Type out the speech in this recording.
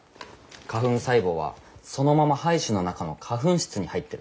花粉細胞はそのまま胚珠の中の花粉室に入ってる。